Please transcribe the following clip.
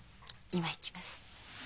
今行きます。